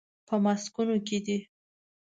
په ماسکو کې دی.